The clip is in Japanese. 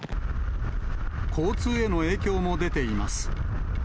交通への影響も出ています。